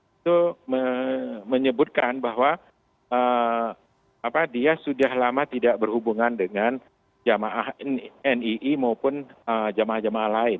itu menyebutkan bahwa dia sudah lama tidak berhubungan dengan jamaah nii maupun jemaah jemaah lain